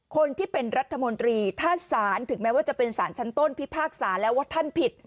คนที่เป็นรัฐมนตรีถ้าสารถึงแม้ว่าจะเป็นสารชั้นต้นพิพากษาแล้วว่าท่านผิด